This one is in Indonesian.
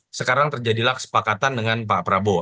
sekarang terjadilah kesepakatan dengan pak prabowo